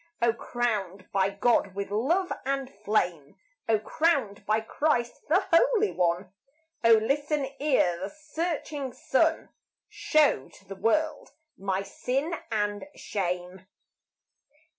O crowned by God with love and flame! O crowned by Christ the Holy One! O listen ere the searching sun Show to the world my sin and shame.